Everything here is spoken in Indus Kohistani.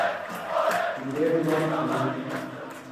چِٹے پاک کرہ چھی۔